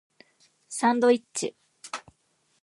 サンドイッチ